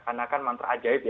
karena kan mantra ajaib ya